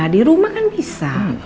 di rumah kan bisa